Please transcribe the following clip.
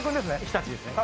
日立ですね